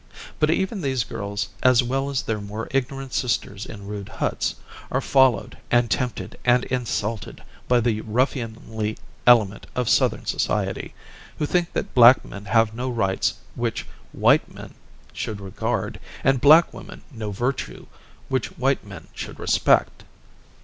But even these girls, as well as their more ignorant sisters in rude huts, are followed and tempted and insulted by the ruffianly element of Southern society, who think that black men have no rights which white men should regard, and black women no virtue which white men should respect!